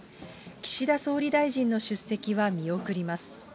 岸田総理大臣の出席は見送ります。